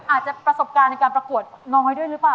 อาจจะประสบการณ์ในการประกวดน้อยด้วยหรือเปล่า